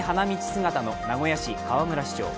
姿の名古屋市・河村市長。